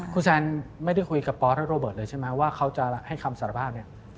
คุณแซนไม่ได้คุยกับปอสและโรเบิร์ตเลยใช่ไหมว่าเขาจะให้คำสารภาพเนี่ย